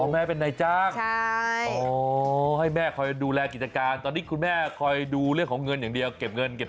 มันรสชาติมันไม่แซ่บ